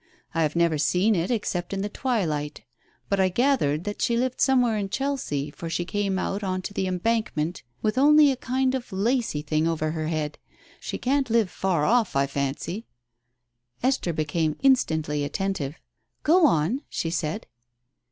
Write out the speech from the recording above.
I have never seen it except in the twilight. But I gathered that she lived somewhere in Chelsea, for she came out on to the Embankment with only a kind of lacy thing over her head; she can't live far off, I fancy." Esther became instantly attentive. "Go on," she said.